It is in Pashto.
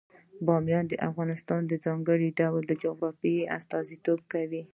بامیان د افغانستان د ځانګړي ډول جغرافیه استازیتوب کوي.